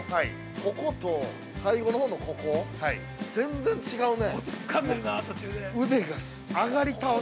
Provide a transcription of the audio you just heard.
ここと、最後のほうのここ全然違うね。